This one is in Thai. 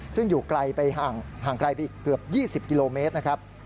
ซึ่งอยู่ไกลไปห่างไกลไปอีกเกือบ๒๐กิโลเมตรนะครับ